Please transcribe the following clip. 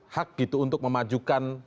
hak gitu untuk memajukan